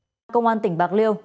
cơ quan công an tỉnh bạc liêu